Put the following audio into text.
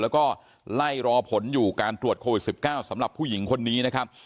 แล้วก็ไล่รอผลอยู่การตรวจโควิด๑๙สำหรับผู้หญิงคนนี้นะครับ